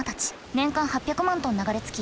年間８００万トン流れ着き